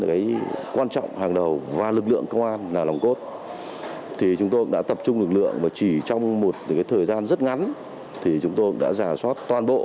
cái quan trọng hàng đầu và lực lượng công an là lòng cốt thì chúng tôi đã tập trung lực lượng và chỉ trong một cái thời gian rất ngắn thì chúng tôi đã giả soát toàn bộ